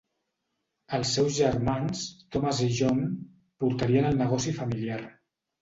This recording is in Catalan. Els seus germans, Thomas i John, portarien el negoci familiar.